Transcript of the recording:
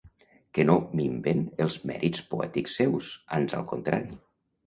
Que no minven els mèrits poètics seus, ans al contrari.